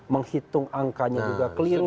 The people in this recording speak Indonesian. menghitung angkanya juga keliru